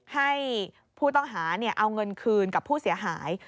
ให้ผู้ต้องหาเอาเงินคืนกับผู้เสียหาย